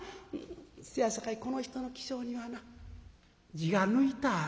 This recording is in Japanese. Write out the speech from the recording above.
せやさかいこの人の起請にはな字が抜いたある」。